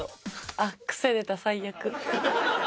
あっ、癖出た、最悪。